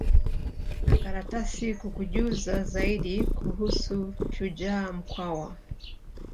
na karatasi kukujuza zaidi kuhusu shujaa mkwawa